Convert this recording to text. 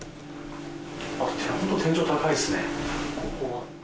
天井高いですね。